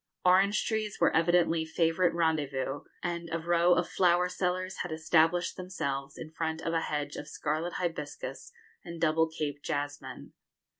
Orange trees were evidently favourite rendezvous; and a row of flower sellers had established themselves in front of a hedge of scarlet hibiscus and double Cape jasmine.